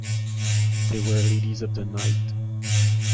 They were ladies of the night.